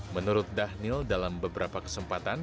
menurut dhanil dalam beberapa kesempatan